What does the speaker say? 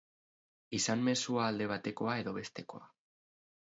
Izan mezua alde batekoa edo bestekoa.